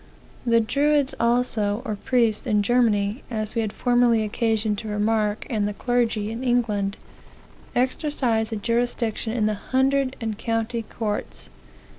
"The druids also, or priests, in Germany, as we had formerly occasion to remark, and the clergy in England, exercised a jurisdiction in the hundred and county courts.